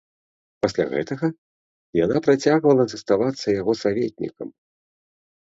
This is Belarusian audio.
Пасля гэтага яна працягвала заставацца яго саветнікам.